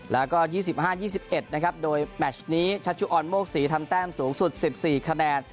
แล้วก็๒๕๒๑นะครับโดยแมชนี้ชัชชุออนโมกศรีทำแต้มสูงสุด๑๔คะแนน